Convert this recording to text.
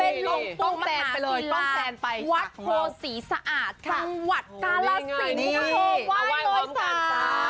เป็นร่วงปู่มหาศิลาวัดโพธิ์ศรีสะอาดทางวัดกาลาศิลปุทธว่ายโดยสา